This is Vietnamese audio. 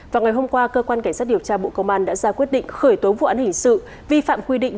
vào ngày hôm qua cơ quan cảnh sát điều tra bộ công an đã ra quyết định khởi tố vụ án hình sự vi phạm quy định